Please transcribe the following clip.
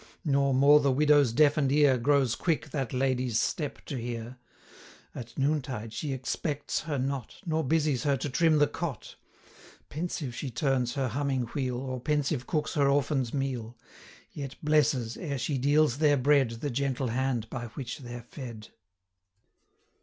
No more the widow's deafen'd ear Grows quick that lady's step to hear: 95 At noontide she expects her not, Nor busies her to trim the cot; Pensive she turns her humming wheel, Or pensive cooks her orphans' meal, Yet blesses, ere she deals their bread, 100 The gentle hand by which they're fed.